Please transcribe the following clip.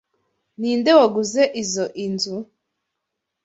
Ninde waguze izoi nzu?